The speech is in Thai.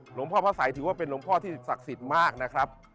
หลวงพ่อพระสัยถือว่าเป็นหลวงพ่อที่ศักดิ์สิทธิ์มากนะครับ